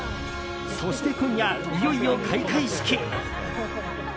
そして今夜、いよいよ開会式。